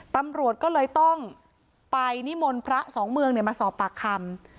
ตำรวจก็เลยต้องไปนิมนต์พระสองเมืองมาสอบปากคำ